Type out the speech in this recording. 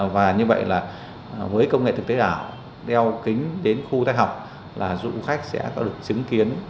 và như vậy là với công nghệ thực tế ảo đeo kính đến khu tác học là du khách sẽ có được chứng kiến